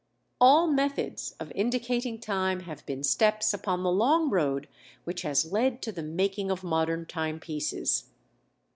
All methods of indicating time have been steps upon the long road which has led to the making of modern timepieces.